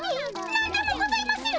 何でもございません